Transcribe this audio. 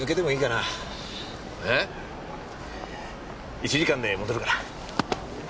１時間で戻るから。